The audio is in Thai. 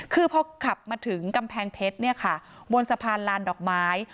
คือพอขับมาถึงกำแพงเพชรเนี่ยค่ะบนสะพานลานดอกไม้